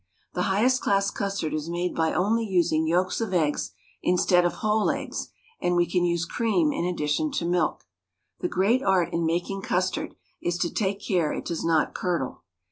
The highest class custard is made by only using yolks of eggs instead of whole eggs, and we can use cream in addition to milk. The great art in making custard is to take care it does not curdle.